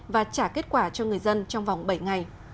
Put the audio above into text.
và trả kết quả cho người dân trong vòng bảy ngày